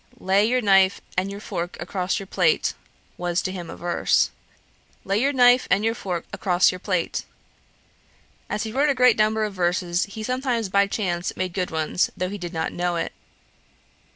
Lay your knife and your fork, across your plate, was to him a verse: 'Lay your knife and your fork, across your plate. 'As he wrote a great number of verses, he sometimes by chance made good ones, though he did not know it.'